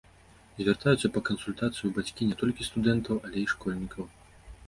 Звяртаюцца па кансультацыю бацькі не толькі студэнтаў, але і школьнікаў.